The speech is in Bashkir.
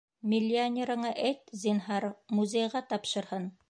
Миллионерыңа әйт, зинһар, музейға тапшырһын!